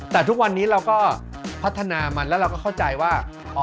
แต่ทุกวันนี้เราก็พัฒนามันแล้วเราก็เข้าใจว่า